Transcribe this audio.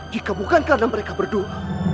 jika bukan karena mereka berdua